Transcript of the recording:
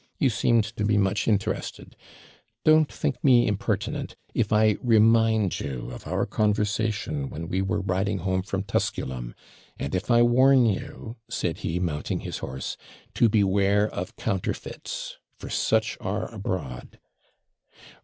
You seemed to be much interested. Don't think me impertinent, if I remind you of our conversation when we were riding home from Tusculum; and if I warn you,' said he, mounting his horse, 'to beware of counterfeits for such are abroad.'